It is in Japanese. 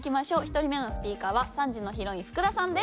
１人目のスピーカーは３時のヒロイン福田さんです。